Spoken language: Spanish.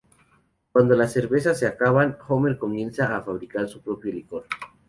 Cuando las cervezas se acaban, Homer comienza a fabricar su propio licor.